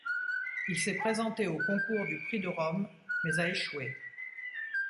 Il s'est présenté au concours du prix de Rome, mais a échoué.